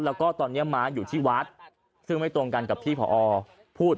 แล้วก็ตอนนี้ม้าอยู่ที่วัดซึ่งไม่ตรงกันกับที่พอพูด